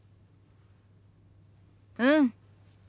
うん。